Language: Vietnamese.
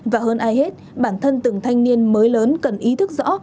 và hơn ai hết bản thân từng thanh niên mới lớn cần ý thức rõ